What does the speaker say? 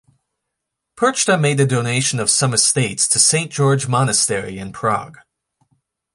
Perchta made a donation of some estates to Saint George Monastery in Prague.